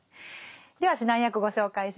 では指南役ご紹介します。